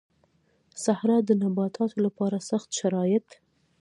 صحرا د نباتاتو لپاره سخت شرايط